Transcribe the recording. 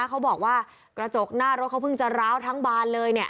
เขาบอกว่ากระจกหน้ารถเขาเพิ่งจะร้าวทั้งบานเลยเนี่ย